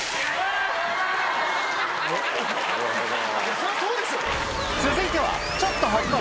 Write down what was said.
そりゃそうでしょ！